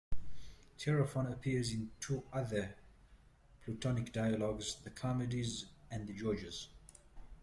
Chaerephon appears in two other Platonic dialogues: the "Charmides" and the "Gorgias".